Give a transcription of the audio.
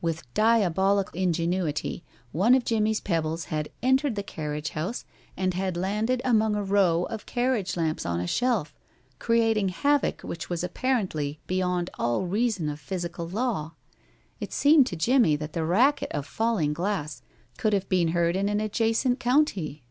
With diabolic ingenuity, one of Jimmie's pebbles had entered the carriage house and had landed among a row of carriage lamps on a shelf, creating havoc which was apparently beyond all reason of physical law. It seemed to Jimmie that the racket of falling glass could have been heard in an adjacent county.